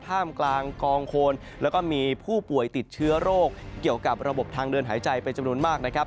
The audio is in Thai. มกลางกองโคนแล้วก็มีผู้ป่วยติดเชื้อโรคเกี่ยวกับระบบทางเดินหายใจเป็นจำนวนมากนะครับ